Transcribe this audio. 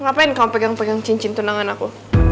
ngapain kamu pegang pegang cincin tunangan aku